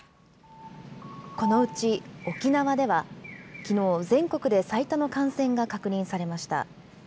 このうち沖縄ではきのう、全国で最多の感染が確認されました。